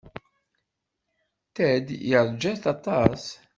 Ted yeṛja-tt aṭas.